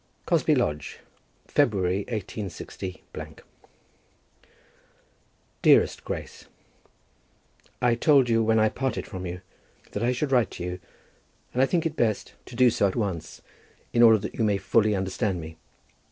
Cosby Lodge, February, 186 . DEAREST GRACE, I told you when I parted from you, that I should write to you, and I think it best to do so at once, in order that you may fully understand me.